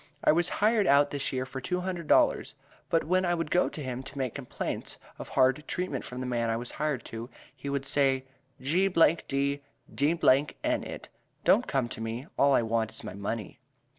I was hired out this year for two hundred dollars, but when I would go to him to make complaints of hard treatment from the man I was hired to, he would say: "G d d n it, don't come to me, all I want is my money."